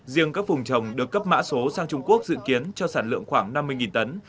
riêng các vùng trồng được cấp mã số sang trung quốc dự kiến cho sản lượng khoảng năm mươi tấn